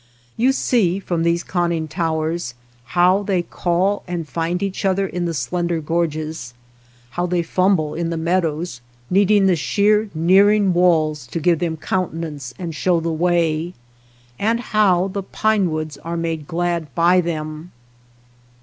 You see from these conning towers how they call and find each other in the slender gorges ; how they fumble in the meadows, needing the sheer nearing walls to give them coun tenance and show the way; and how the pine woods are made glad by them.